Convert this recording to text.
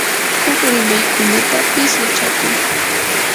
huk rimaykunatapis yachakuy.